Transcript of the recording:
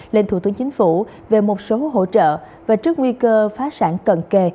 lên thủ tướng chính phủ về một số hỗ trợ và trước nguy cơ phá sản cận kề